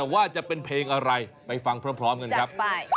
ว่าจะเป็นเพลงอะไรไปฟังพร้อมกันครับ